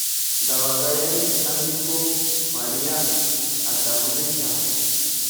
ndabaga yari azi ko mariya adahuze cyane